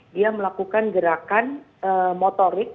dia melakukan gerakan motorik